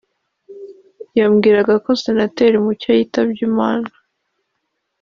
yambwiraga ko Senateri Mucyo yitabye Imana